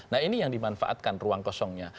nah ini yang dimanfaatkan ruang kosongnya